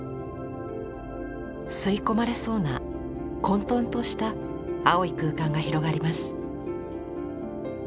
吸い込まれそうな混とんとした青い空間が広がります。